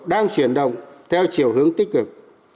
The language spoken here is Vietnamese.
đang chuyển động theo chiều hướng tích cực